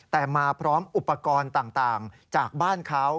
แต่มาพร้อมอุปกรณ์ต่างจากบ้านเขา